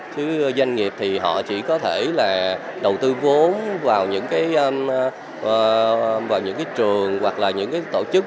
chứ doanh nghiệp thì họ chỉ có thể là đầu tư vốn vào những cái trường hoặc là những cái tổ chức